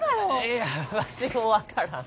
いやわしも分からん。